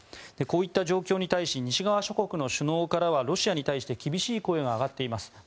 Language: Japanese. こういった状況に対し西側諸国の首脳からはロシアに対して厳しい声が上がっています。